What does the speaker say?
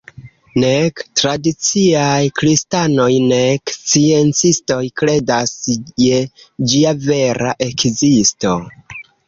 Nek tradiciaj kristanoj nek sciencistoj kredas je ĝia vera ekzisto.